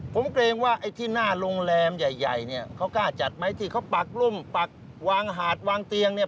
ผมเกรงว่าไอ้ที่หน้าโรงแรมใหญ่เนี่ยเขากล้าจัดไหมที่เขาปักร่มปักวางหาดวางเตียงเนี่ย